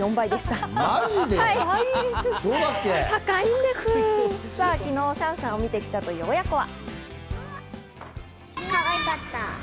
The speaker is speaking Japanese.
昨日、そのシャンシャンを見てきたという親子は。